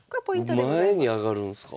前に上がるんすか？